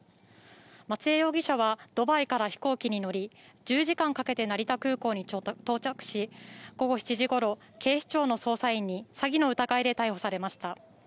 松江容疑者は、ドバイから飛行機に乗り１０時間かけて成田空港に到着し、午後７時ごろ警視庁の捜査員に詐欺の疑いで逮捕されました。